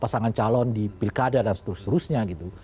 pasangan calon di pilkada dan seterusnya gitu